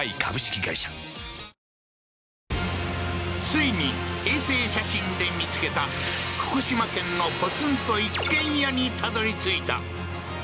ついに、衛星写真で見つけた福島県のポツンと一軒家にたどり着いた！